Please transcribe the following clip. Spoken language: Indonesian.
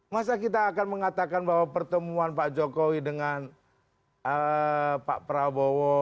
masa kita akan mengatakan bahwa pertemuan pak jokowi dengan pak prabowo